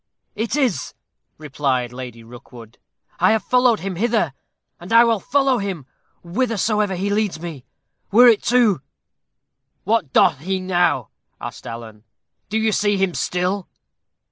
"It is," replied Lady Rookwood; "I have followed him hither, and I will follow him whithersoever he leads me, were it to " "What doth he now?" asked Alan; "do you see him still?"